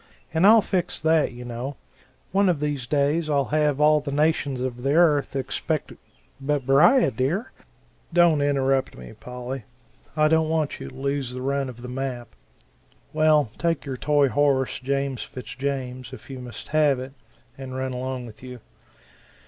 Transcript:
And I'll fix that, you know. One of these days I'll have all the nations of the earth expecto " "But Beriah, dear " "Don't interrupt me; Polly I don't want you to lose the run of the map well, take your toy horse, James Fitz James, if you must have it and run along with you.